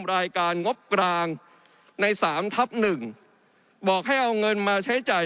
รายการงบกลางใน๓ทับ๑บอกให้เอาเงินมาใช้จ่าย